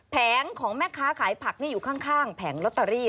แผงของแม่ค้าขายผักนี่อยู่ข้างแผงลอตเตอรี่